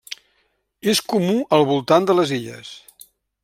És comú al voltant de les illes.